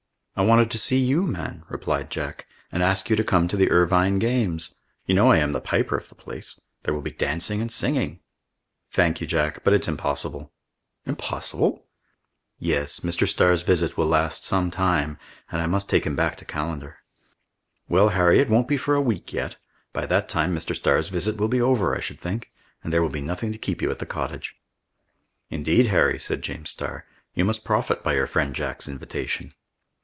"I wanted to see you, man," replied Jack, "and ask you to come to the Irvine games. You know I am the piper of the place. There will be dancing and singing." "Thank you, Jack, but it's impossible." "Impossible?" "Yes; Mr. Starr's visit will last some time, and I must take him back to Callander." "Well, Harry, it won't be for a week yet. By that time Mr. Starr's visit will be over, I should think, and there will be nothing to keep you at the cottage." "Indeed, Harry," said James Starr, "you must profit by your friend Jack's invitation."